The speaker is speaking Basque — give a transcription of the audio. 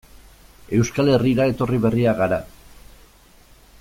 Euskal Herrira etorri berriak gara.